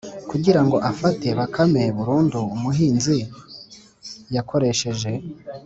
kugira ngo afate bakame burundu umuhinzi yakoresheje